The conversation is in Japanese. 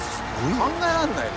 考えらんない。